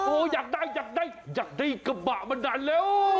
โอ้อยากได้อยากได้กระบะมานานเร็ว